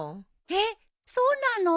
えっそうなの？